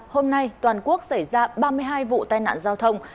hôm nay toàn quốc xảy ra ba mươi hai vụ tai nạn giao thông